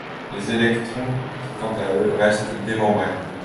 Les Électoons quant à eux restent démembrés.